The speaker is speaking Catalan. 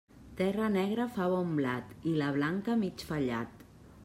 Terra negra fa bon blat, i la blanca, mig fallat.